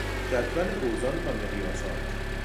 جدول اوزان و مقیاسات